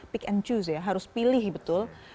pick and choose ya harus pilih betul